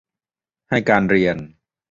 ให้การเรียน